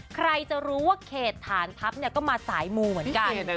ใครจะรู้ว่าเขตฐานทัพก็มาสายมูเหมือนกัน